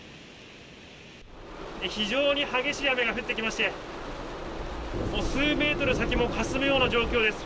非常に激しい雨が降ってきまして、もう数メートル先もかすむような状況です。